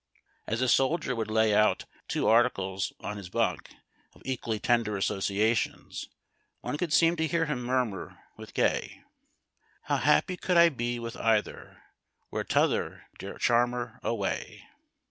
As a soldier would lay out two articles on the bunk, of equally tender associations, one could seem to hear him murmur, with Gay, " How happy could I be with either Were t'other dear charmer away."